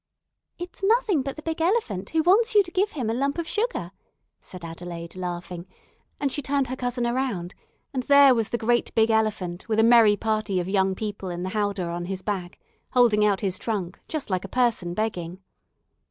"It's nothing but the big elephant, who wants you to give him a lump of sugar," said Adelaide, laughing, and she turned her cousin around and there was the great big elephant, with a merry party of young people in the "howdah" on his back, holding out his trunk, just like a person begging.